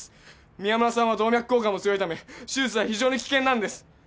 宮村さんは動脈硬化も強いため手術は非常に危険なんです！